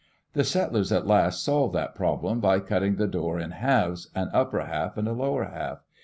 The settlers at last solved that problem by cutting the door in halves, an upper half and a lower half.